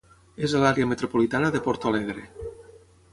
És a l'àrea metropolitana de Porto Alegre.